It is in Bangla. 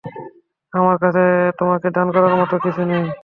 আমার কাছে তোমাকে দান করার মত কিছু নেই।